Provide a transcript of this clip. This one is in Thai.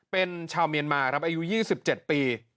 เป็นชาวเมียนมาครับอายุ๒๗ปี